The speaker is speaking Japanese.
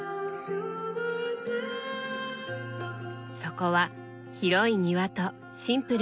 そこは広い庭とシンプルな間取り。